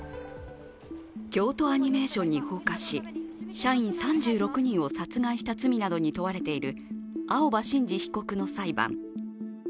京都アニメーションに放火し、社員３６人を殺害した罪に問われている青葉真司被告の裁判。